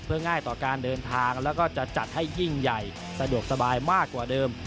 เพื่อง่ายต่อการเดินทางแล้วก็จะจัดให้ยิ่งใหญ่สะดวกสบายมากกว่าเดิม